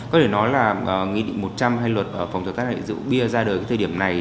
có thể nói là nghị định một trăm linh hay luật phòng chống tác hại rượu bia ra đời cái thời điểm này